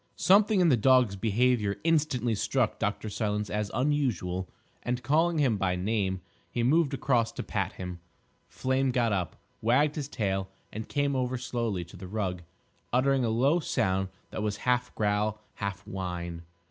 Something in the dog's behaviour instantly struck Dr. Silence as unusual, and, calling him by name, he moved across to pat him. Flame got up, wagged his tail, and came over slowly to the rug, uttering a low sound that was half growl, half whine.